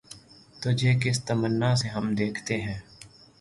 تجھے کس تمنا سے ہم دیکھتے ہیں